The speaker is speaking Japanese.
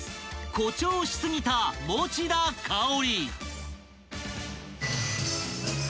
［誇張し過ぎた持田香織］